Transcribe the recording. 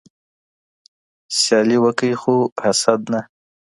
سیالي وکړئ خو حسد نه.